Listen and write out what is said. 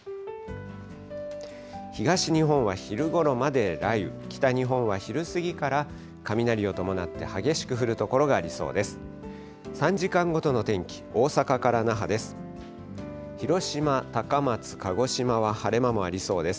東日本は昼ごろまで雷雨、北日本は昼過ぎから雷を伴って激しく降る所がありそうです。